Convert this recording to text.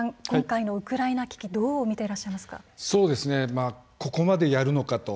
今回のウクライナ危機どう見てらっしゃいますか？